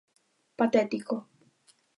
Patético.